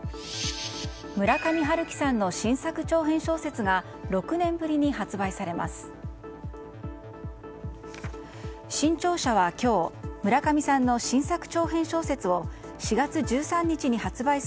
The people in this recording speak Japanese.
村上春樹さんの新作長編小説が６年ぶりに発売されます。